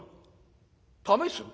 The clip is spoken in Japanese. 「試す？